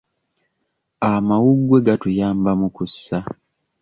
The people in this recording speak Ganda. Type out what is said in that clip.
Amawuggwe gatuyamba mu kussa.